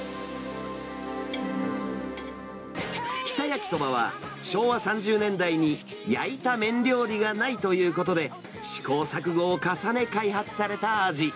日田やきそばは昭和３０年代に焼いた麺料理がないということで、試行錯誤を重ね、開発された味。